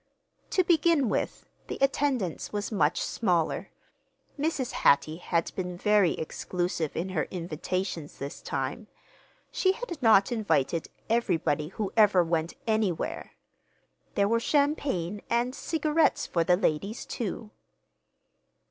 To begin with, the attendance was much smaller; Mrs. Hattie had been very exclusive in her invitations this time. She had not invited "everybody who ever went anywhere." There were champagne, and cigarettes for the ladies, too.